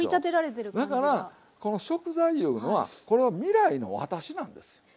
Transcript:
だからこの食材いうのはこれは未来の私なんですよ。